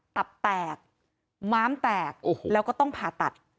ตับแตกม้ามแตกแล้วก็ต้องผ่าตัด